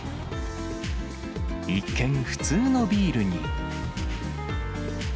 一見、普通のビールに。